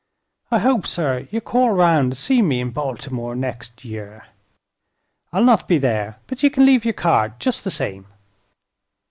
I hope, sir, you'll call 'round and see me in Baltimore next year. I'll not be there, but ye can leave your card, just the same."